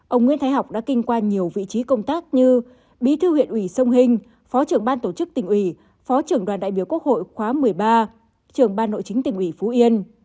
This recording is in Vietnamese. ông nguyễn thái học đã kinh qua nhiều vị trí công tác như bí thư huyện ủy sông hình phó trưởng ban tổ chức tỉnh ủy phó trưởng đoàn đại biểu quốc hội khóa một mươi ba trưởng ban nội chính tỉnh ủy phú yên